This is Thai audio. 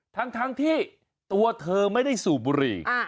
ทั้งที่ตัวเธอไม่ได้สูบบุหรี่